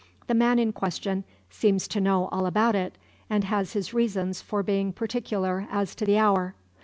The man in question seems to know all about it; and has his reasons for being particular as to the hour.